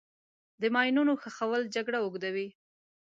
د ماینونو ښخول جګړه اوږدوي.